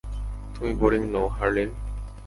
তুমি বোরিং নও, হারলিন!